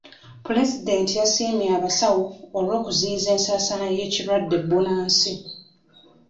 Pulezidenti yasiimye abasawo olw'okuziyiza ensaasaana y'ekirwadde bbunansi.